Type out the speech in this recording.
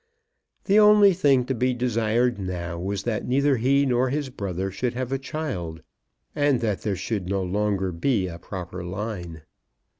The only thing to be desired now was that neither he nor his brother should have a child, and that there should no longer be a proper line.